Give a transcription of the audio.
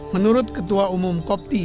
menurut ketua umum kopti